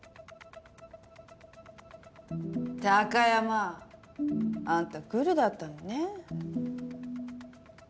貴山あんたぐるだったのね。